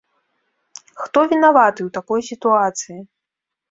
Хто вінаваты ў такой сітуацыі?